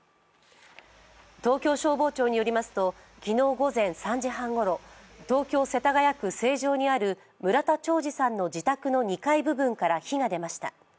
東京消防庁によりますと、昨日午前３時半ごろ、東京・世田谷区成城にある村田兆治さんの自宅の２階部分から火が出ました。